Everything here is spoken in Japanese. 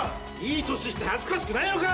いい年して恥ずかしくないのか！